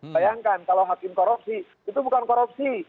bayangkan kalau hakim korupsi itu bukan korupsi